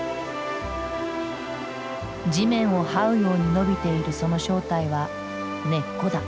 地面をはうように伸びているその正体は根っこだ。